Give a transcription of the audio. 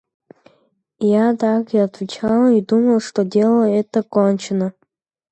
Я так и отвечал и думал, что дело это кончено.